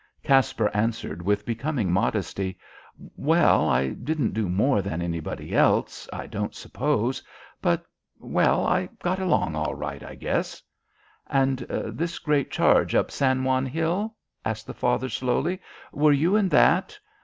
Caspar answered with becoming modesty. "Well, I didn't do more than anybody else, I don't suppose, but well, I got along all right, I guess." "And this great charge up San Juan Hill?" asked, the father slowly. "Were you in that?"